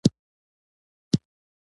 برټانیې له افغانستان سره متارکه کړې وه.